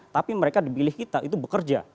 tapi mereka dipilih kita itu bekerja